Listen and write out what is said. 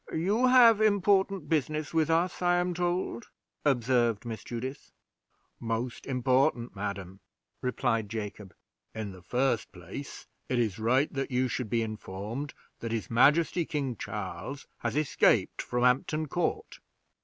"You have important business with us, I am told," observed Miss Judith. "Most important, madam," replied Jacob. "In the first place, it is right that you should be informed that his majesty, King Charles, has escaped from Hampton Court."